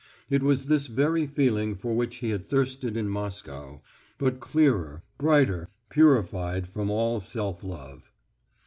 It was this very feeling for which he had thirsted in Moscow, but clearer, brighter, purified from all self love.